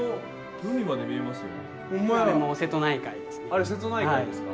あれ瀬戸内海ですか。